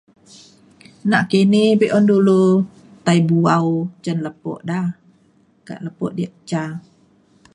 nakini be’un dulu tai bu’au cin lepo da ka lepo diak ca